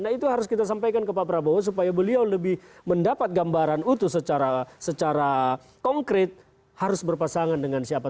nah itu harus kita sampaikan ke pak prabowo supaya beliau lebih mendapat gambaran utuh secara konkret harus berpasangan dengan siapa